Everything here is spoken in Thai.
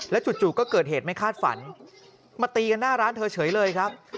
จู่ก็เกิดเหตุไม่คาดฝันมาตีกันหน้าร้านเธอเฉยเลยครับ